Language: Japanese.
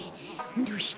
どうして？